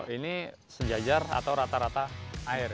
ini sejajar atau rata rata air